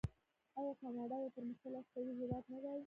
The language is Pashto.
آیا کاناډا یو پرمختللی اقتصادي هیواد نه دی؟